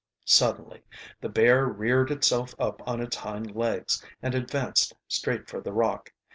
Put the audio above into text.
Suddenly the bear reared itself up on its hind legs and advanced straight for the rock.